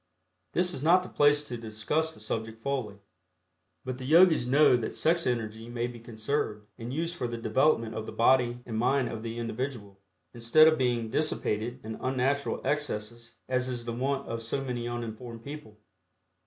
This is not the place to discuss the subject fully, but the Yogis know that sex energy may be conserved and used for the development of the body and mind of the individual, instead of being dissipated in unnatural excesses as is the wont of so many uninformed people.